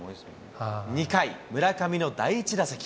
２回、村上の第１打席。